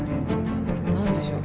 何でしょう？